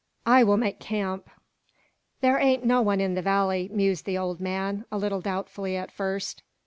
"I will make camp." "There ain't no one in the valley," mused the old man, a little doubtfully at first.